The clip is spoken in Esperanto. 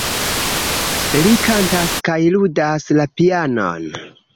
Li kantas kaj ludas la pianon.